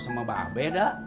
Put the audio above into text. sama mbak abe dah